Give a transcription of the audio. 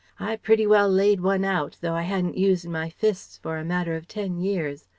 I pretty well laid one out, though I hadn't used my fists for a matter of ten years.